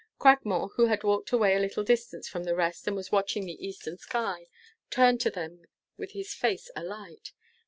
Cragmore, who had walked away a little distance from the rest, and was watching the eastern sky, turned to them with his face alight.